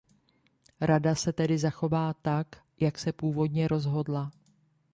Rada se tedy zachová tak, jak se původně rozhodla.